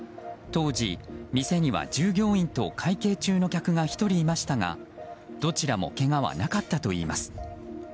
当時、店には従業員と会計中の客が１人いましたがどちらもけがはなかったといいます。